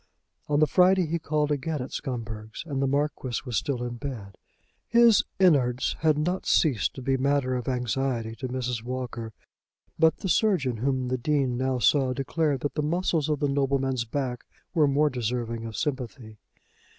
On the Friday he called again at Scumberg's, and the Marquis was still in bed. His "in'ards" had not ceased to be matter of anxiety to Mrs. Walker; but the surgeon, whom the Dean now saw, declared that the muscles of the nobleman's back were more deserving of sympathy.